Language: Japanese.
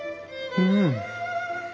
うん！